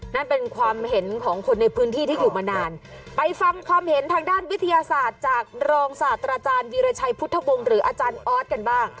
นั่นเป็นความเห็นของคนในพื้นที่ที่อยู่มานานไปฟังความเห็นทางด้านวิทยาศาสตร์จากรองศาสตราจารย์วีรชัยพุทธวงศ์หรืออาจารย์ออสกันบ้าง